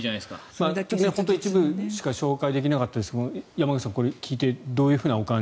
本当に一部しか紹介できなかったですが山口さん、これを聞いてどういうふうなお感じ